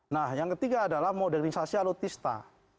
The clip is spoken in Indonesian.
nah yang ketiga adalah modernisasi alutista